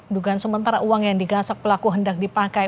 dugaan sementara uang yang digasak pelaku hendak dipakai